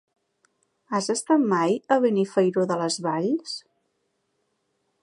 Has estat mai a Benifairó de les Valls?